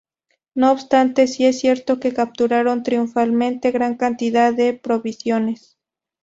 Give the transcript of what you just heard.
No obstante, si es cierto que capturaron triunfalmente gran cantidad de provisiones.